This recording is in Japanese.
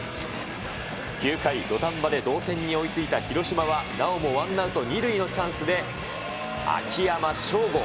９回土壇場で同点に追いついた広島は、なおもワンアウト２塁のチャンスで秋山翔吾。